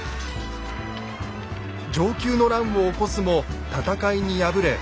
承久の乱を起こすも戦いに敗れ